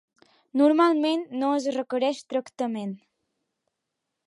Normalment no es requereix tractament.